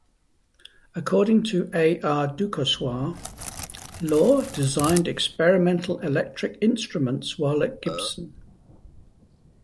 According to A. R. Duchossoir, Loar designed experimental electric instruments while at Gibson.